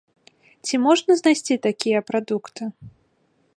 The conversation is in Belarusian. Ці можна знайсці такія прадукты?